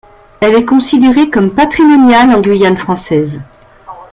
Elle est considérée comme patrimoniale en Guyane française.